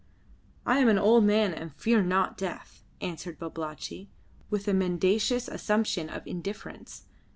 "I am an old man and fear not death," answered Babalatchi, with a mendacious assumption of indifference.